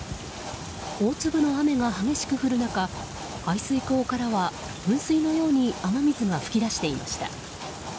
大粒の雨が激しく降る中排水溝からは噴水のように雨水が噴き出していました。